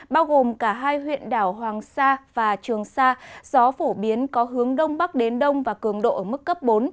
bao gồm cả hai huyện đảo hoàng sa và trường sa gió phổ biến có hướng đông bắc đến đông và cường độ ở mức cấp bốn